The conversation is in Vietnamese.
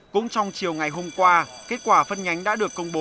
cũng trong chiều ngày hôm qua kết quả phân nhánh đã được công bố